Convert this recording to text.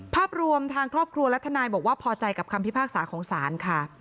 ภาพรวมทางครอบครัวและทนายบอกว่าพอใจกับคำพิพากษาของศาลค่ะ